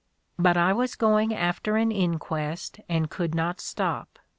But I was going after an inquest and could not stop.